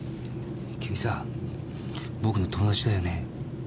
君さ僕の友達だよね？